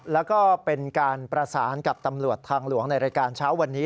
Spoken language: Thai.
แล้วก็เป็นการประสานกับตำรวจทางหลวงในรายการเช้าวันนี้